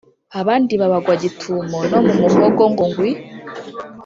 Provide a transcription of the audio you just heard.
Abandi babagwa gitumo no mu muhogo ngo gwi